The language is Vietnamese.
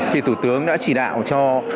thì thủ tướng đã chỉ đạo cho